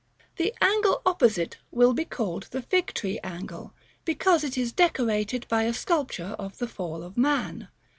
The angle opposite will be called the Fig tree angle, because it is decorated by a sculpture of the Fall of Man.